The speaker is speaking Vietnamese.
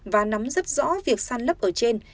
và nắm rất rõ việc săn lấp ở trên